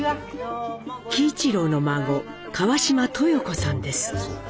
喜一郎の孫・川島トヨコさんです。